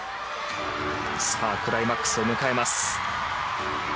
クライマックスを迎えます。